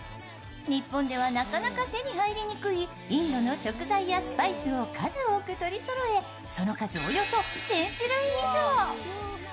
日本ではなかなか手に入りにくいインドの食材やスパイスを数多く取りそろえ、その数およそ１０００種類以上。